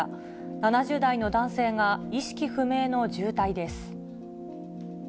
７０代の男性が意識不明の重体です。